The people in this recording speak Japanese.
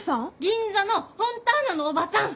銀座のフォンターナのおばさん！